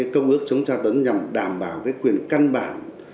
công ước chống tra tấn nhằm đảm bảo quyền căn bản